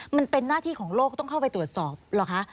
มันเป็นหน้าที่ของโลกต้องเข้าไปตรวจสอบหรอคะ